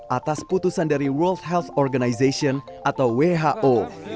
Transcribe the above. atas putusan dari world health organization atau who